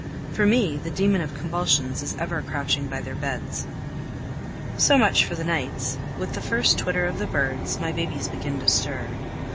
For me, the demon of convulsions is ever crouching by their beds. So much for the nights; with the first twitter of the birds my babies begin to stir.